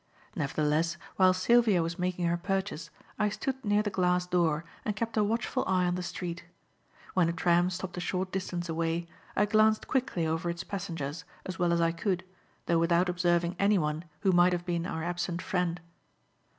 Nevertheless, while Sylvia was making her purchase, I stood near the glass door and kept a watchful eye on the street. When a tram stopped a short distance away, I glanced quickly over its passengers, as well as I could, though without observing anyone who might have been our absent friend.